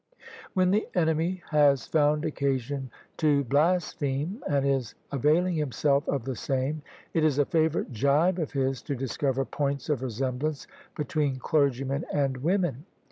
When the enemy has found occasion to blaspheme and is availing himself of the same, it is a favourite gibe of his to discover points of resemblance between clergymen and women.